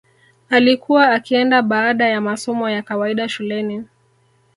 Alikuwa akienda baada ya masomo ya kawaida shuleni